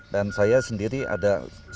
dan saya sendiri ada